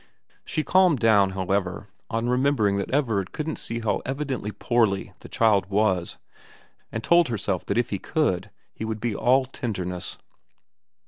She calmed down, however, on remembering that Everard couldn't see how evidently poorly the child was, and told herself that if he could he would be all tenderness.